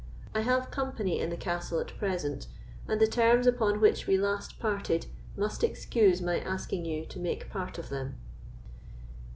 I have company in the castle at present, and the terms upon which we last parted must excuse my asking you to make part of them."